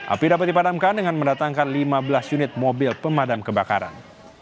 api dapat dipadamkan dengan mendatangkan lima belas unit mobil pemadam kebakaran